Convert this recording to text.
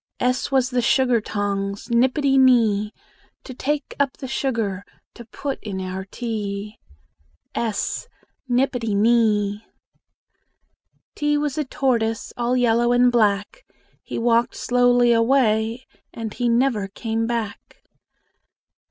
S was the sugar tongs, Nippity nee, To take up the sugar To put in our tea. s Nippity nee! T was a tortoise, All yellow and black: He walked slowly away, And he never came back.